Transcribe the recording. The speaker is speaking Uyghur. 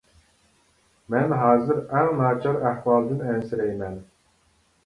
مەن ھازىر ئەڭ ناچار ئەھۋالدىن ئەنسىرەيمەن.